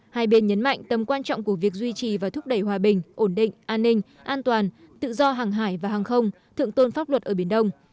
hai bên nhấn mạnh tầm quan trọng của việc duy trì và thúc đẩy hòa bình ổn định an ninh an toàn tự do hàng hải và hàng không thượng tôn pháp luật ở biển đông